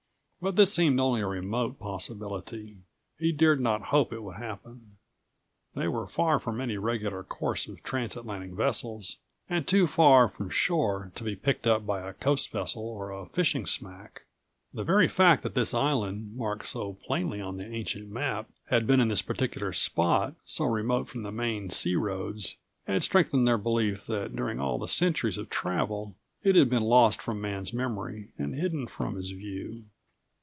But this seemed only a remote possibility. He dared not hope it would happen. They were far from any regular course of trans Atlantic vessels and too far from shore to be picked up by a coast vessel or a fishing smack. The very fact that this island, marked so plainly on the ancient map, had been in this particular spot, so remote from the main sea roads, had strengthened their belief that during all the centuries of travel it had been lost from man's memory and hidden from his view.